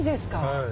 はい。